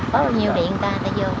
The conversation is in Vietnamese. có bao nhiêu điện người ta người ta vô